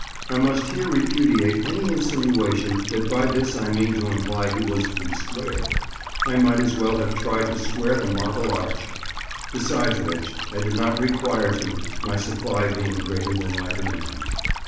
I must here repudiate any insinuation that by this I mean to imply he was to be squared. I might as well have tried to square the Marble Arch. Besides which, I did not require to, my supply being greater than my demand.